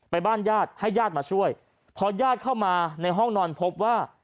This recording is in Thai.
บ้านญาติให้ญาติมาช่วยพอญาติเข้ามาในห้องนอนพบว่า